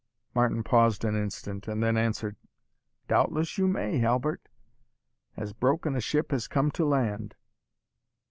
Martin paused an instant, and then answered, "Doubtless you may, Halbert; as broken a ship has come to land.